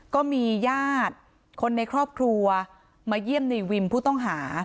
ก็มีญาติคนในครอบครัวมาเยี่ยมในวิมผู้ต้องหา